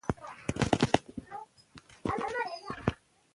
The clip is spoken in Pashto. نوم یې ژوندی پرېښودل سو.